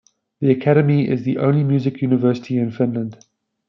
The Academy is the only music university in Finland.